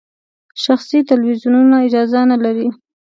شخصي تلویزیونونه اجازه نلري.